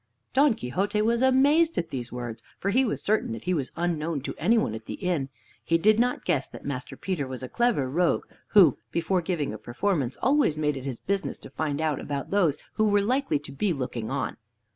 Don Quixote was amazed at these words, for he was certain that he was unknown to any one at the inn. He did not guess that Master Peter was a clever rogue, who, before giving a performance, always made it his business to find out about those who were likely to be looking on.